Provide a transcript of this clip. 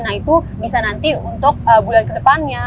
nah itu bisa nanti untuk bulan kedepannya